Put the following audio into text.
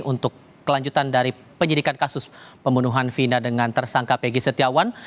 untuk kelanjutan dari penyidikan kasus pembunuhan vina dengan tersangka pegi setiawan